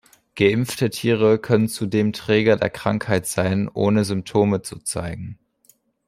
Geimpfte Tiere können zudem Träger der Krankheit sein, ohne Symptome zu zeigen.